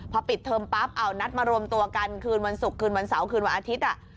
พอปิดเทอมปั๊บเอานัดมารวมตัวกันคืนวันศุกร์คืนวันเสาร์คืนวันอาทิตย์